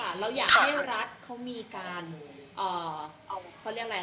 เราอยากให้รัฐเขามีการเอาเขาเรียกอะไร